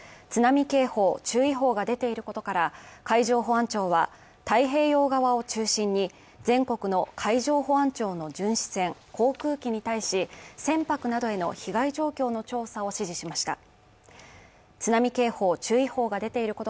津波警報注意報が出ていることから、海上保安庁は太平洋側を中心に全国の海上保安庁の巡視船、航空機に対し、船舶などへの被害状況の調査を指示しました。